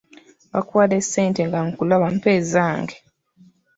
Bakuwadde ssente nga nkulaba mpa ezange.